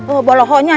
oh boleh nyai